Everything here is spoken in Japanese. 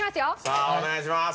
さあお願いします。